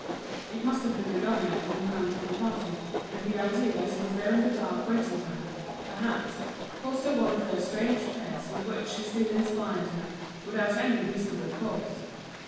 It must have been the governor coming home from a party; and the idea that he was there in the dark waiting for her, perhaps, caused her one of those strange fears with which he still inspired her, without any reasonable cause.